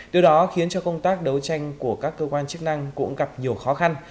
điều đó khiến cho công tác đấu tranh của các cơ quan chức năng cũng gặp nhiều khó khăn